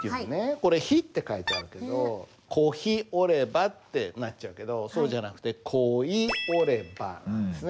これ「ひ」って書いてあるけど「恋ひ居れば」ってなっちゃうけどそうじゃなくて「恋い居れば」なんですね